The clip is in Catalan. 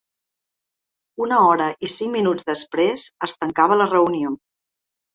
Una hora i cinc minuts després, es tancava la reunió.